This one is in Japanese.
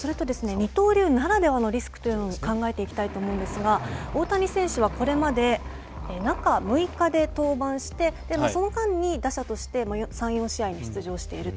二刀流ならではのリスクというのも考えていきたいと思うんですが大谷選手はこれまで中６日で登板してその間に打者として３４試合に出場していると。